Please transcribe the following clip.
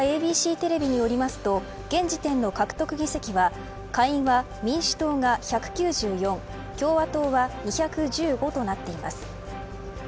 ＡＢＣテレビによりますと現時点の獲得議席は下院が民主党が１９４共和党は２１５となっています。